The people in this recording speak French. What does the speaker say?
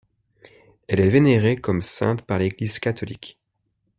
Elle est vénérée comme sainte par l'Église catholique.